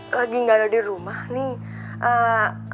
lagi nggak ada di rumah nih